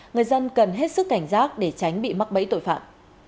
người dân cần hết sức cảnh giác để tránh bị mắc bẫy tội phạm